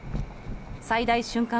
最大瞬間